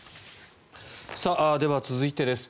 では、続いてです。